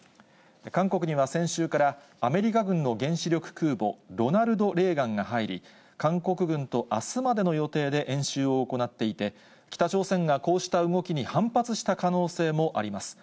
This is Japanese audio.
韓国には先週から、アメリカ軍の原子力空母ロナルド・レーガンが入り、韓国軍とあすまでの予定で演習を行っていて、北朝鮮がこうした動きに反発した可能性もあります。